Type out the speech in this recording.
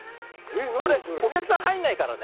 お客さん入んないからね。